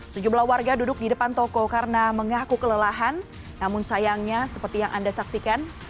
sejumlah warga duduk di depan toko karena mengaku kelelahan namun sayangnya seperti yang anda saksikan